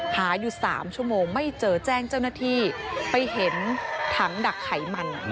หาอยู่๓ชั่วโมงไม่เจอแจ้งเจ้าหน้าที่ไปเห็นถังดักไขมัน